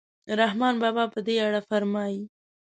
رحمان بابا په دې اړه فرمایي.